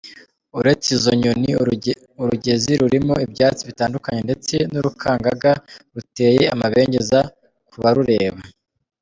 Uretse izo nyoni, Urugezi rurimo ibyatsi bitandukanye ndetse n’urukangaga ruteye amabengeza ku barureba.